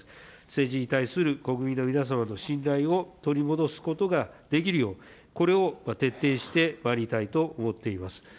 政治に対する国民の皆様の信頼を取り戻すことができるよう、これを徹底してまいりたいと思っています。